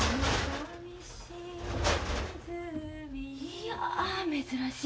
いや珍しい。